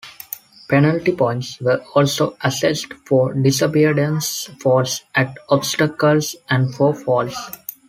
Penalty points were also assessed for disobedience faults at obstacles and for falls.